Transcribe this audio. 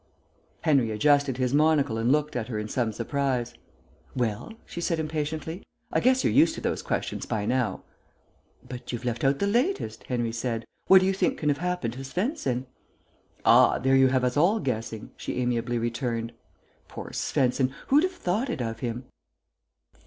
Henry adjusted his monocle and looked at her in some surprise. "Well," she said impatiently, "I guess you're used to those questions by now." "But you've left out the latest," Henry said. "What do you think can have happened to Svensen?" "Ah, there you have us all guessing," she amiably returned. "Poor Svensen. Who'd have thought it of him?"